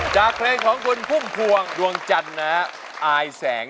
จากเครงของคุณคุ่งภวงดวงเงิน